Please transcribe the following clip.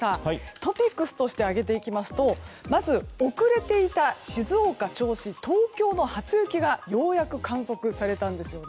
トピックスとして挙げていきますとまず遅れていた静岡、銚子、東京の初雪がようやく観測されたんですよね。